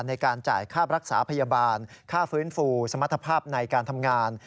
ในการจ่ายค่ารักษาพยาบาลค่าฟื้นฟูสมรรถภาพในการทำงาน